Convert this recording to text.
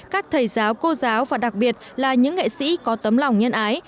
các thầy giáo cô giáo và đặc biệt là những nghệ sĩ có tấm lòng nhân ái